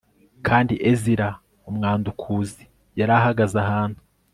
kandi ezira umwandukuzi yari ahagaze ahantu